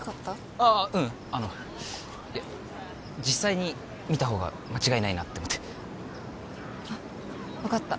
ああううんあのいや実際に見た方が間違いないなって思って分かった